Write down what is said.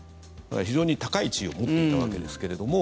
非常に高い地位を持っていたわけですけれども。